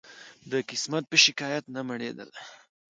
د قسمت په شکایت نه مړېدله